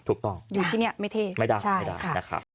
ถูกต้องไม่ได้ค่ะอยู่ที่นี่ไม่เท่ใช่ค่ะไม่ได้